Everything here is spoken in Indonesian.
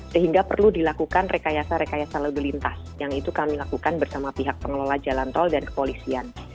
sehingga perlu dilakukan rekayasa rekayasa lalu lintas yang itu kami lakukan bersama pihak pengelola jalan tol dan kepolisian